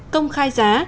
công khai giá